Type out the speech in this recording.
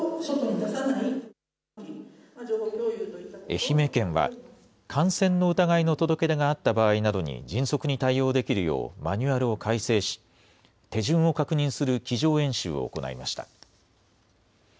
愛媛県は、感染の疑いの届け出があった場合などに迅速に対応できるようマニュアルを改正し、手順を確認する机上演習を行いました。